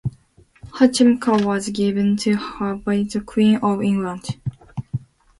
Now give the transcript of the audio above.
Her chemise was given to her by the Queen of England.